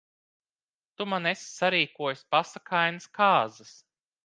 Tu man esi sarīkojis pasakainas kāzas.